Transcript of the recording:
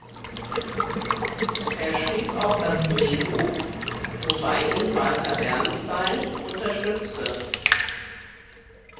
Er schrieb auch das Drehbuch, wobei ihn Walter Bernstein unterstützte.